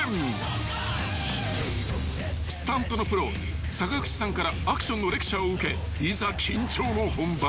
［スタントのプロ坂口さんからアクションのレクチャーを受けいざ緊張の本番］